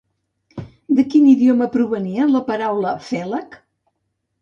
De quin idioma provenia la paraula Félag?